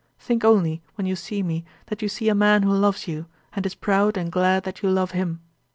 Think only when you see me, that you see a man who loves you, and is proud and glad that you love him.